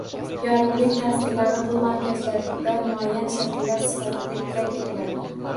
Yorug‘lik ta’sirlari bu markazlarda muayyan shakllar sifatida idrok etiladi